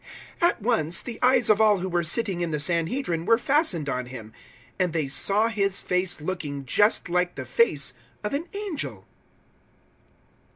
006:015 At once the eyes of all who were sitting in the Sanhedrin were fastened on him, and they saw his face looking just like the face of an angel.